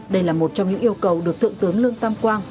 đây là một trong những yêu cầu được thượng tướng lương tam quang